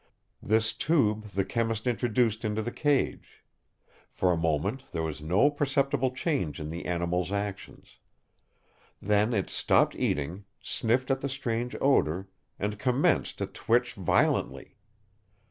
This tube the chemist introduced into the cage. For a moment there was no perceptible change in the animal's actions. Then it stopped eating, sniffed at the strange odor, and commenced to twitch violently.